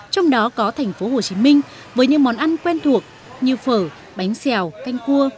trong đó có tp hcm với những món ăn quen thuộc như phở bánh xèo canh cua